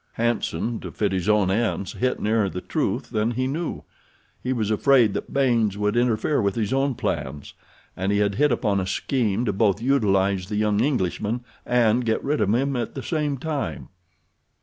Hanson, to fit his own ends, hit nearer the truth than he knew. He was afraid that Baynes would interfere with his own plans, and he had hit upon a scheme to both utilize the young Englishman and get rid of him at the same time.